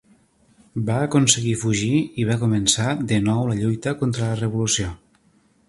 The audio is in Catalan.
Va aconseguir fugir i va començar de nou la lluita contra la revolució.